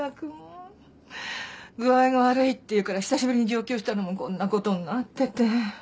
具合が悪いっていうから久しぶりに上京したのもこんなことになってて。